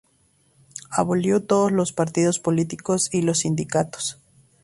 Abolió todos los partidos políticos y los sindicatos.